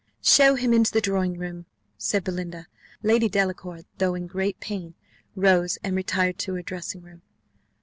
"Show him into the drawing room," said Belinda. Lady Delacour, though in great pain, rose and retired to her dressing room.